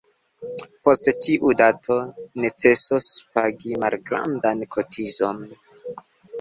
Post tiu dato, necesos pagi malgrandan kotizon.